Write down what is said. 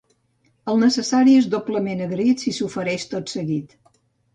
El necessari és doblement agraït si s'ofereix tot seguit.